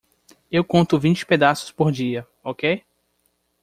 Eu conto vinte pedaços por dia, ok?